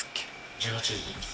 １８時。